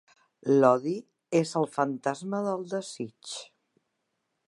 L'odi és el fantasma del desig.